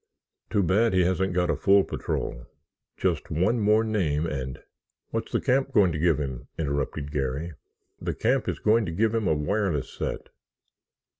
Too bad he hasn't got a full patrol. Just one more name and——" "What's the camp going to give him?" interrupted Garry. "The camp is going to give him a wireless set."